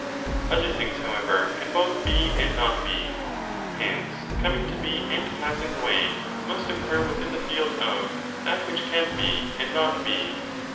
Other things, however, can both de and wot be.) Hence coming to be and passing away must occur within the field 5 of 'that which can be and not be'.